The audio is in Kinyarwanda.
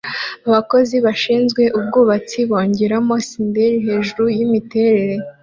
Abakozi bashinzwe ubwubatsi bongeramo cinder hejuru yimiterere